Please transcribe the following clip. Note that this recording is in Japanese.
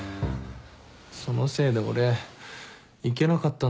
そのせいで俺行けなかったんだから。